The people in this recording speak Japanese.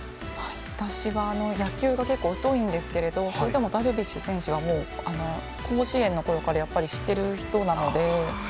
私は、野球に結構疎いんですけどもそれでもダルビッシュ選手は甲子園のころからやっぱり知っている人なので。